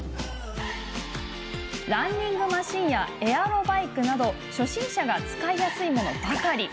ランニングマシンやエアロバイクなど初心者が使いやすいものばかり。